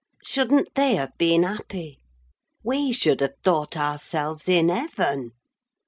Shouldn't they have been happy? We should have thought ourselves in heaven!